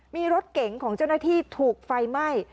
มีรถเก๋งของเจ้าหน้าที่ถูกไฟไหม้